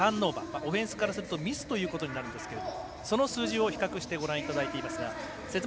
オフェンスからするとミスになるんですがその数字をご覧いただいています。